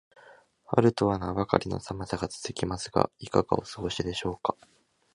春とは名ばかりの寒さが続きますが、いかがお過ごしでしょうか。